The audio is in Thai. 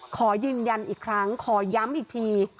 ขอยืนยันอีกครั้งขอย้ำอีกที